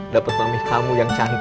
dapat pamih kamu yang cantik